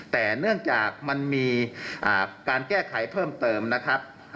แต่เนื่องจากมันมีการแก้ไขเพิ่มเติมนะครับ